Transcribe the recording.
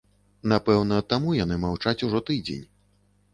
Напэўна, таму яны маўчаць ўжо тыдзень.